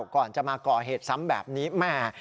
ก่อนจะมาก่อเหตุซ้ำแบบนี้แม่